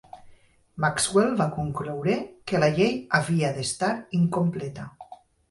Maxwell va concloure que la llei havia d'estar incompleta.